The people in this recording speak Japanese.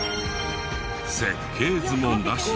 設計図もなしで。